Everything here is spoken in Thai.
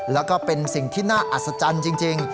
แล้วก็เป็นสิ่งที่น่าอัศจรรย์จริง